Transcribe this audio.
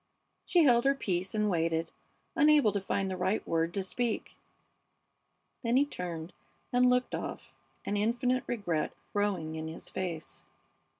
She held her peace and waited, unable to find the right word to speak. Then he turned and looked off, an infinite regret growing in his face.